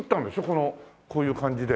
このこういう感じで。